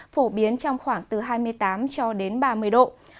phổ biến trong khoảng từ hai mươi tám cho đến ba mươi độ